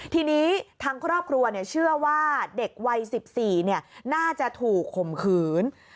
ทีนี้ทางครอบครัวเชื่อว่าเด็กวัย๑๔น่าจะถูกข่มขืน